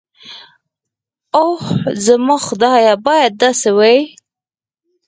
اوح زما خدايه بايد داسې وي.